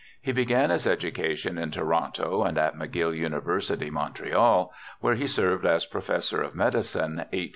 He began his education in Toronto and at McGill University, Montreal, where he served as professor of medicine, 1874 84.